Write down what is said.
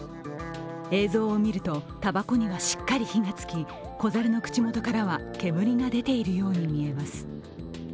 映像を見ると、たばこにはしっかり火がつき子猿の口元からは煙が出ているように見えます。